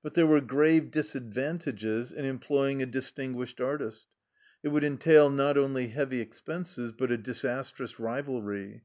But there were grave disadvantages in employing a distinguished artist. It would entail not only heavy expenses, but a disastrous rivalry.